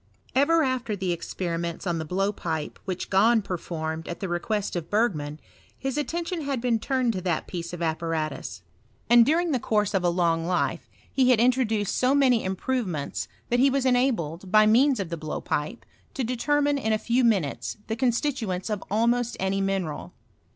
Ever after the experiments on the blowpipe which Gahn performed at the request of Bergman, his at tention had been turned to that piece of apparatus ^» HISTOKT OT CHESnSTRT. and during tbe course of a ioag life he had i duced ao many improvemeiits, that he was enabled, by means of ihe blowpipe, to detemune in a few DUnates the constituents of almost any mineral.